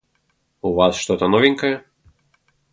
У Вас что-то новенькое?